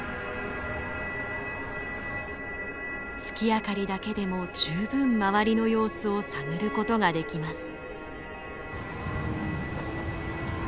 月明かりだけでも十分周りの様子を探ることができます。